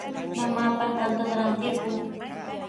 Mamaapaq tantata ratirquu.